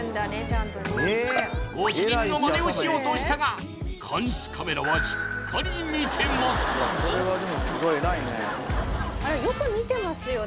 ご主人のマネをしようとしたが監視カメラはしっかり見てます